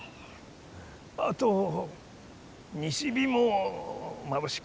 あと西日もまぶしく。